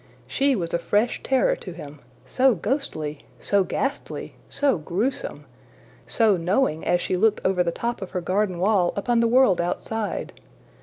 She was a fresh terror to him so ghostly! so ghastly! so gruesome! so knowing as she looked over the top of her garden wall upon the world outside!